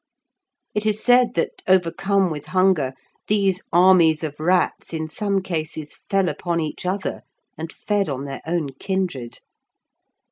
It is said that, overcome with hunger, these armies of rats in some cases fell upon each other, and fed on their own kindred.